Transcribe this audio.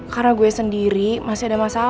karena gue sendiri masih ada masalah